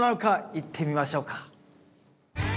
行ってみましょうか。